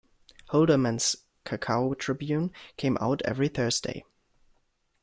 Holderman's "Cocoa Tribune" came out every Thursday.